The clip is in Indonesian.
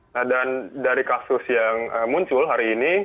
nah dan dari kasus yang muncul hari ini